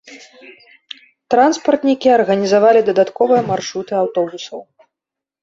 Транспартнікі арганізавалі дадатковыя маршруты аўтобусаў.